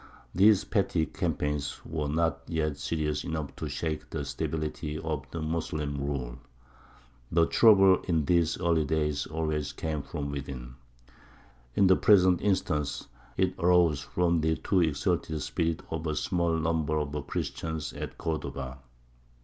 These petty campaigns were not yet serious enough to shake the stability of the Moslem rule. The trouble in these early days always came from within. In the present instance it arose from the too exalted spirit of a small number of Christians at Cordova.